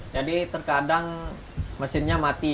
jadi terkadang mesinnya mati